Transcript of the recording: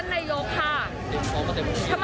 ทำไมถึงไม่มารับคังเสียงประชาชนเลยค่ะ